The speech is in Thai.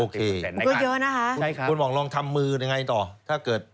คุณหวังลองทำมือยังไงต่อ